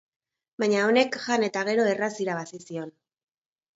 Baina honek jan eta gero erraz irabazi zion.